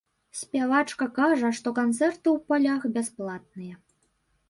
Спявачка кажа, што канцэрты ў палях бясплатныя.